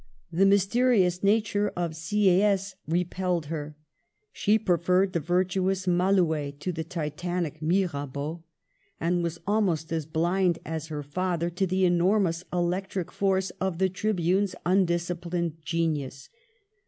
The mysterious nature of Si&yes repelled her ; she preferred the virtuous Malouet to the titanic Mirabeau, and was almost as blind as her father to the enormous electric force of the tribune's undisciplined genius.